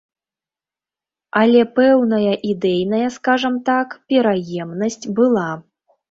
Але пэўная ідэйная, скажам так, пераемнасць была.